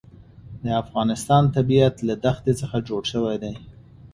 د افغانستان طبیعت له دښتې څخه جوړ شوی دی.